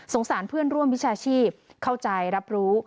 สารเพื่อนร่วมวิชาชีพเข้าใจรับรู้